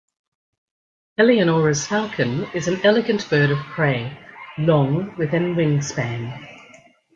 Eleonora's falcon is an elegant bird of prey, long with an wingspan.